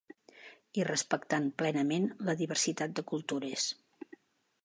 i respectant plenament la diversitat de cultures